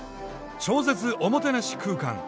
超絶おもてなし空間！